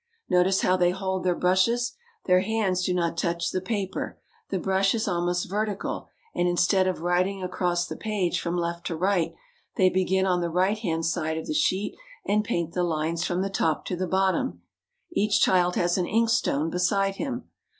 Notice how they hold their brushes. Their hands do not touch the paper; the brush is al most vertical and, instead of writ ing across the page from left to right, they begin on the right hand side of the sheet and paint ^^*"^ esson. the lines from the top to the bottom. Each child has an ink stone beside him.